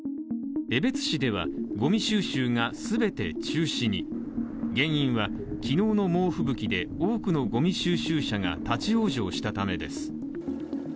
江別市では、ゴミ収集が全て中止に原因は昨日の猛吹雪で多くのゴミ収集車が立ち往生したためです。